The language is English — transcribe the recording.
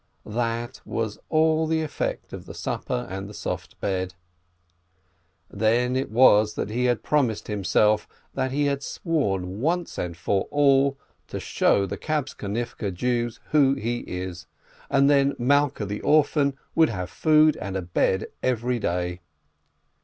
That was all the effect of the supper and the soft bed. Then it was that he had promised himself, that he had sworn, once and for all, to show the Kabtzonivke Jews who he is, and then Malkeh the orphan will have food and a bed every day.